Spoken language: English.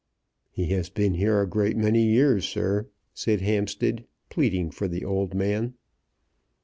"He has been here a great many years, sir," said Hampstead, pleading for the old man.